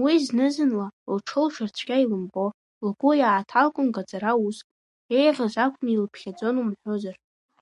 Уи зны-зынла, лҽылшьыр цәгьа илымбо, лгәы иааҭалклон гаӡара уск, еиӷьыз акәны илԥхьаӡон умҳәозар.